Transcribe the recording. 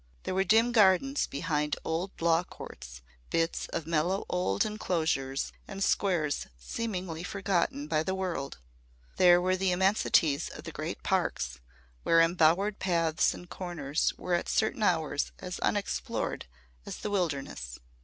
There were dim gardens behind old law courts, bits of mellow old enclosures and squares seemingly forgotten by the world, there were the immensities of the great parks where embowered paths and corners were at certain hours as unexplored as the wilderness.